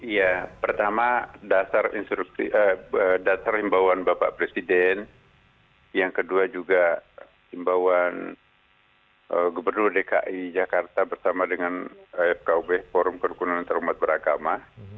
ya pertama dasar himbauan bapak presiden yang kedua juga imbauan gubernur dki jakarta bersama dengan fkub forum kerukunan terumat beragama